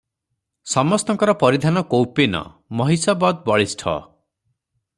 ସମସ୍ତଙ୍କର ପରିଧାନ କୌପୀନ, ମହିଷବତ୍ ବଳିଷ୍ଠ ।